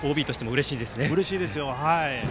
うれしいですよ。